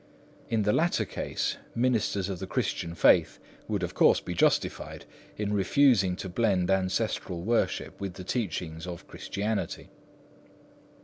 In the latter case, ministers of the Christian faith would of course be justified in refusing to blend ancestral worship with the teachings of Christianity.